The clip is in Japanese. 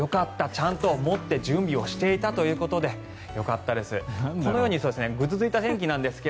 ちゃんと持って準備をしていたということでこのようにぐずついた天気ですが。